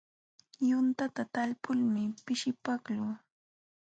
Yunyata talpulmi pishipaqluu.